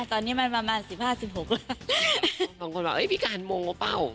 ตอนนี้มันประมาณ๑๕๑๖ละบางคนบอกเอ้ยพี่การมงว่าเปล่า